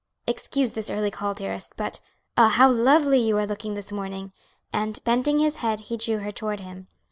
"Excuse this early call, dearest, but ah, how lovely you are looking this morning!" and bending his head he drew her toward him.